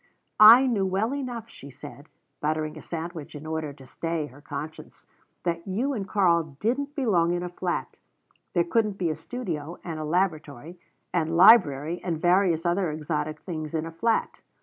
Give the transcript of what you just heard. "I knew well enough," she said, buttering a sandwich in order to stay her conscience, "that you and Karl didn't belong in a flat. There couldn't be a studio and a laboratory and library and various other exotic things in a flat.